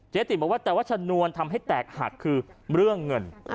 ติบอกว่าแต่ว่าชนวนทำให้แตกหักคือเรื่องเงิน